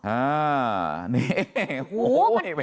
อ่าเนี่ย